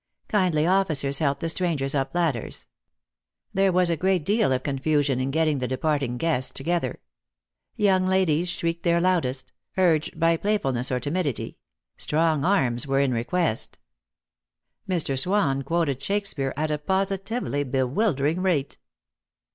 Kindly officers helped the strangers up ladders. There was a great deal of confusion in getting the departing guests to gether. Young ladies shriek their loudest, urged by playfulness or timidity; strong arms were in request. Mr. Swan quoted Shakespeare at a positively bewildering rate.